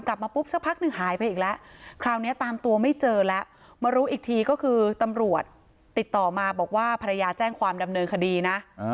กลับมาปุ๊บสักพักหนึ่งหายไปอีกแล้วคราวนี้ตามตัวไม่เจอแล้วมารู้อีกทีก็คือตำรวจติดต่อมาบอกว่าภรรยาแจ้งความดำเนินคดีนะ